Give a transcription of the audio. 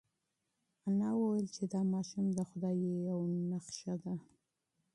انا وویل چې دا ماشوم د خدای یوه ډالۍ ده.